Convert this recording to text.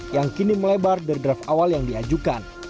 yang kini melebar dari draft awal yang diajukan